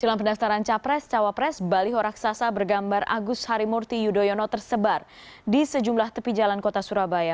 dalam pendaftaran capres cawapres baliho raksasa bergambar agus harimurti yudhoyono tersebar di sejumlah tepi jalan kota surabaya